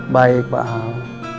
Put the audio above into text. baik pak al